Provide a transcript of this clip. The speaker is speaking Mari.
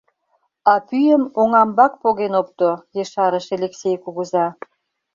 — А пӱйым оҥамбак поген опто, — ешарыш Элексей кугыза.